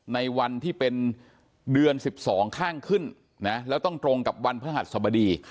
ในวันที่เป็นเดือน๑๒ข้างขึ้นนะแล้วต้องตรงกับวันพระหัสสบดี